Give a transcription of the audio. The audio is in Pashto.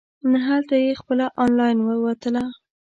نه هلته یې خپله انلاین وتله.